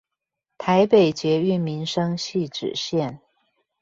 台北捷運民生汐止線